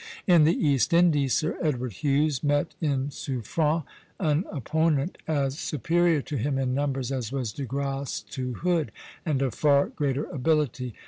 In the East Indies, Sir Edward Hughes met in Suffren an opponent as superior to him in numbers as was De Grasse to Hood, and of far greater ability.